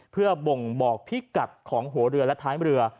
เพื่อบ่งบอกพิกัดของหัวเรือและท้ายเรือ